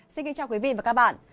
xin kính chào quý vị và các bạn